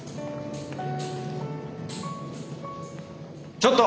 ちょっと！